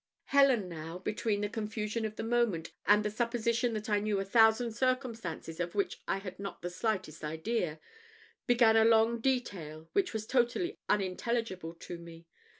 Helen now, between the confusion of the moment, and the supposition that I knew a thousand circumstances of which I had not the slightest idea, began a long detail which was totally unintelligible to me.